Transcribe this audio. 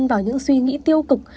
vào những suy nghĩ tiêu cực